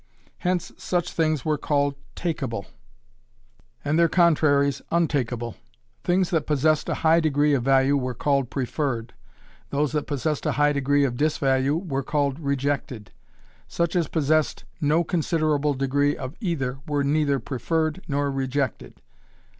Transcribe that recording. Hence such things were called takeable and their contraries untakeable. Things that possessed a high degree of value were called preferred, those that possessed a high degree of disvalue were called rejected. Such as possessed no considerable degree of either were neither preferred nor rejected.